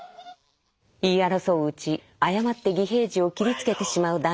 言い争ううち誤って義平次を斬りつけてしまう団七。